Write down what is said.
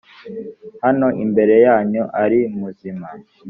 hano imbere yanyu ari muzima